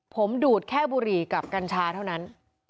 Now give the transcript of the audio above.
ผมดูดแค่บุหรี่กับกัญชาเท่านั้น